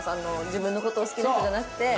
自分の事を好きな人じゃなくて。